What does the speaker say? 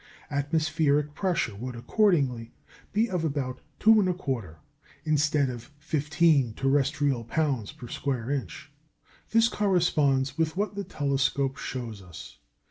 Atmospheric pressure would accordingly be of about two and a quarter, instead of fifteen terrestrial pounds per square inch. This corresponds with what the telescope shows us.